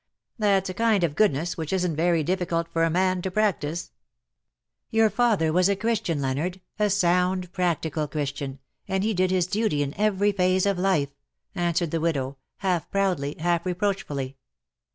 That^s a kind of goodness which isn^t very difficult for a man to practise. ^^ 7G " Your father was a Christian, Leonard — a sound, practical, Christian, and he did his duty in every phase of life," answered the widow, half proudly, half reproachfully.